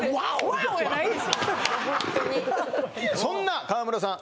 ワオそんな川村さん